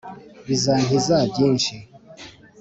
Bizankiza byinshi.